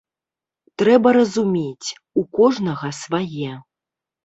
Трэба разумець, у кожнага свае.